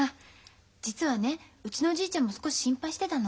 実はねうちのおじいちゃんも少し心配してたの。